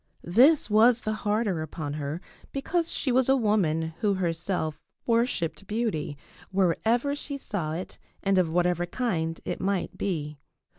This was the harder upon her because she was a woman who herself worshipped beauty wherever she saw it and of whatever kind it might be.